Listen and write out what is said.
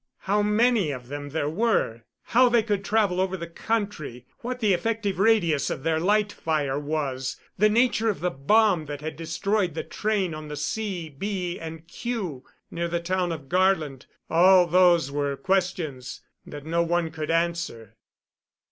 How many of them there were; how they could travel over the country; what the effective radius of their light fire was; the nature of the "bomb" that had destroyed the train on the C., B. and Q. near the town of Garland all those were questions that no one could answer.